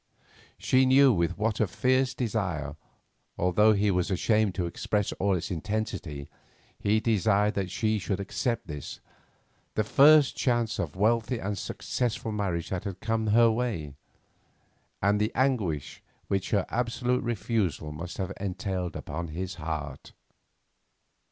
She knew with what a fierce desire, although he was ashamed to express all its intensity, he desired that she should accept this, the first chance of wealthy and successful marriage that had come her way, and the anguish which her absolute refusal must have entailed upon his heart.